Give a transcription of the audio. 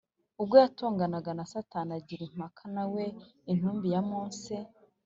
ubwo yatonganaga na satani agira impaka na we intumbi ya mose